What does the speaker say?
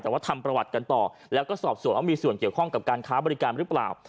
แต่ว่าทำประวัติกันต่อแล้วก็สอบส่วนว่ามีส่วนเกี่ยวข้องกับการค้าบริการหรือเปล่า